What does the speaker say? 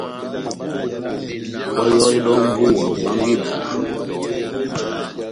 Oháyohedɛhɛ ó mbúwa, obángahi idaha.